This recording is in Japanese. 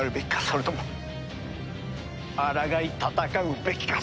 それともあらがい戦うべきか？